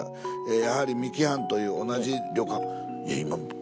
やはり三木半と同じ旅館」。